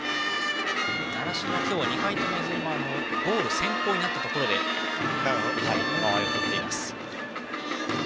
習志野は今日２回ともボール先行になったところで間合いを取っています。